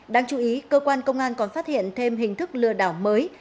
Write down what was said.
đáng chú ý cơ quan công an còn phát hiện thêm hình thức lừa đảo mới